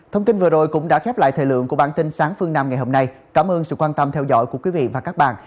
thông tin vừa rồi cũng đã khép lại thời lượng của bản tin sáng phương nam ngày hôm nay cảm ơn sự quan tâm theo dõi của quý vị và các bạn